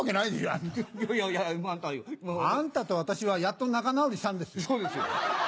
いやいや。あんたと私はやっと仲直りしたんですよ。